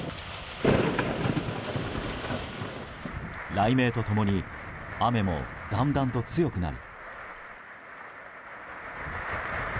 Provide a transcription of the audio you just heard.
雷鳴と共に雨もだんだんと強くなり。